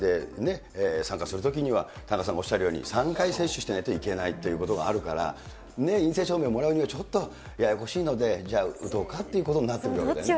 ですから、しかしながら都民割でね、参加するときには田中さんがおっしゃるように、３回接種していないといけないということがあるから、陰性証明をもらうにはちょっとややこしいので、じゃあ打とうかということになってくるわけですよね。